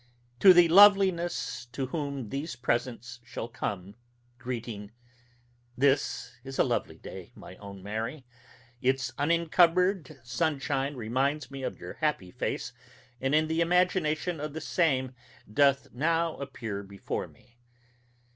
To the loveliness to whom these presents shall come, greeting: This is a lovely day, my own Mary; its unencumbered sunshine reminds me of your happy face, and in the imagination the same doth now appear before me.